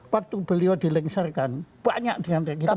waktu beliau dilengsarkan banyak yang kita mau bilang